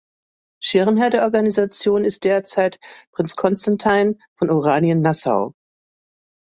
Schirmherr der Organisation ist derzeit Prinz Constantijn von Oranien-Nassau.